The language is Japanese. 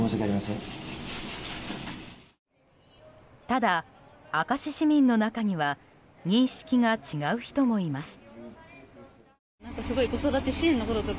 ただ、明石市民の中には認識が違う人もいます。